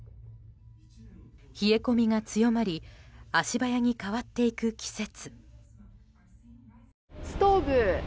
冷え込みが強まり足早に変わっていく季節。